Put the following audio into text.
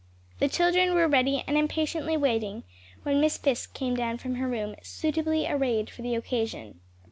The children were ready and impatiently waiting, when Miss Fisk came down from her room, "suitably arrayed for the occasion."